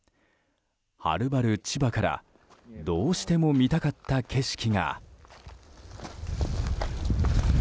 はるばる千葉からどうしても見たかった景色が。